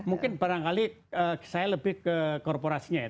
mungkin barangkali saya lebih ke korporasinya ya